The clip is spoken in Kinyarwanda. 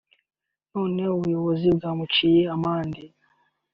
none ubuyobozi bwamuciye amande